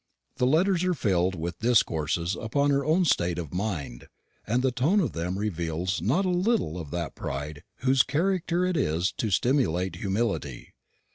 The letters are filled with discourses upon her own state of mind; and the tone of them reveals not a little of that pride whose character it is to simulate humility.